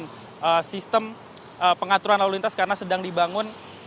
dan sistem pengaturan lalu lintas karena sedang dibangun